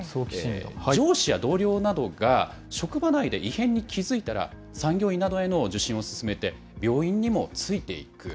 上司や同僚などが職場内で異変に気付いたら、産業医などへの受診を勧めて、病院にもついていく。